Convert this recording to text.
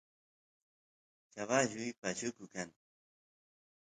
caballuy pashuku kan